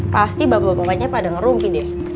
pasti bapak bapaknya pada ngerumpi deh